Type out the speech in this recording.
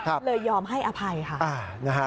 เลยยอมให้อภัยค่ะ